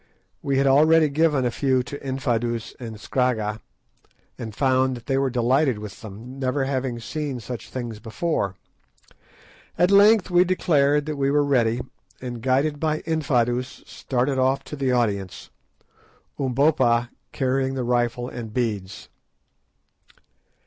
We had already given a few to Infadoos and Scragga, and found that they were delighted with them, never having seen such things before. At length we declared that we were ready, and guided by Infadoos, started off to the audience, Umbopa carrying the rifle and beads.